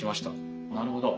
なるほど。